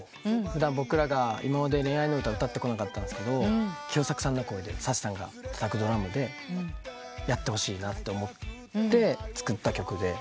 普段僕らが今まで恋愛の歌歌ってこなかったんですがキヨサクさんの声でサッシさんがたたくドラムでやってほしいなと思って作った曲で。